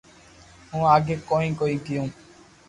ھون آگي ڪوئي ڪوئي ڪيو